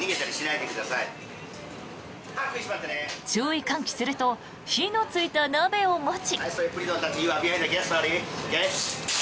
注意喚起すると火のついた鍋を持ち。